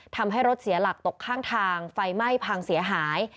ทำให้รถเสียหลักตกข้างทางไฟไหม้พังเสียหาย